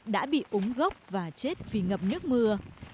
đã bị úng gốc và chết vì ngập nước mưa